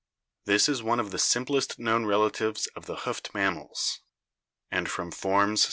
This is one of the simplest known relatives of the hoofed mammals, and from forms RECENT.